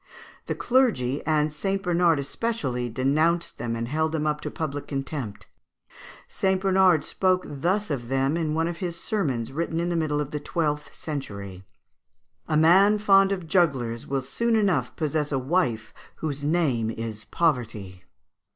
The clergy, and St. Bernard especially, denounced them and held them up to public contempt. St. Bernard spoke thus of them in one of his sermons written in the middle of the twelfth century: "A man fond of jugglers will soon enough possess a wife whose name is Poverty.